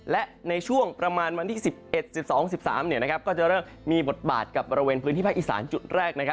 และในช่วงประมาณวันที่๑๑๑๒๑๓ก็จะเริ่มมีบทบาทกับบริเวณพื้นที่ภาคอีสานจุดแรก